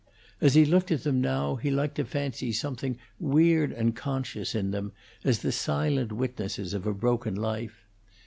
As he looked at them now he liked to fancy something weird and conscious in them as the silent witnesses of a broken life.